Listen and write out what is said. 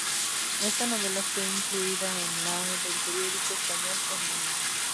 Esta novela fue incluida en la del periódico español "El Mundo".